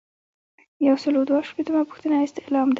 یو سل او دوه شپیتمه پوښتنه استعلام دی.